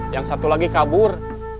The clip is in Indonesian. yang satu lagi kabur